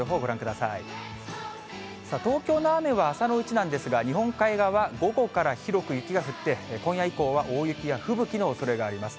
さあ、東京の雨は朝のうちなんですが、日本海側は、午後から広く雪が降って、今夜以降は大雪や吹雪のおそれがあります。